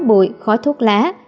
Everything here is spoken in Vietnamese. bụi khói thuốc lá